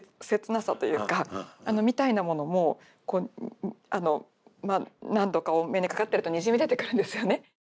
切なさというかみたいなものも何度かお目にかかってるとにじみ出てくるんですよね。